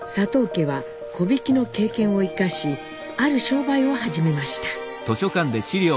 家は木びきの経験を生かしある商売を始めました。